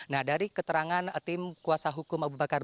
nah dari keterangan tim kuasa hukum abu bakar